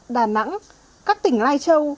đà nẵng các tỉnh lai châu